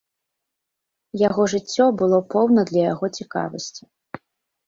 Яго жыццё было поўна для яго цікавасці.